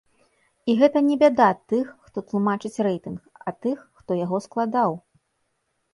І гэта не бяда тых, хто тлумачыць рэйтынг, а тых, хто яго складаў.